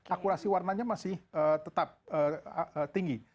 akurasi warnanya masih tetap tinggi